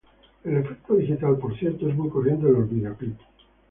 El efecto digital por cierto es muy corriente en los vídeo-clips.